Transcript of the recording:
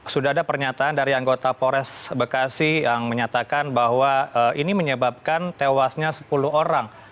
sudah ada pernyataan dari anggota pores bekasi yang menyatakan bahwa ini menyebabkan tewasnya sepuluh orang